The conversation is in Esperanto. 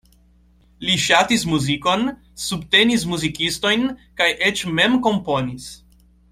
Li ŝatis muzikon, subtenis muzikistojn kaj eĉ mem komponis.